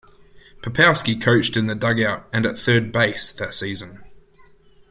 Popowski coached in the dugout and at third base that season.